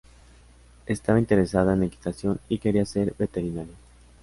Estaba interesada en equitación, y quería ser veterinaria.